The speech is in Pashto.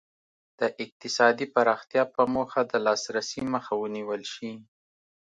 د اقتصادي پراختیا په موخه د لاسرسي مخه ونیول شي.